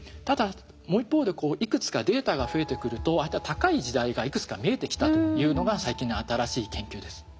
ただもう一方でいくつかデータが増えてくるとああいった高い時代がいくつか見えてきたというのが最近の新しい研究です。